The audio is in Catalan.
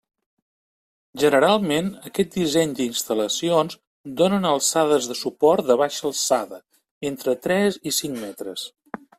Generalment aquest disseny d'instal·lacions donen alçades de suport de baixa alçada, entre tres i cinc metres.